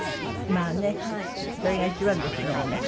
まあねそれが一番ですもんね。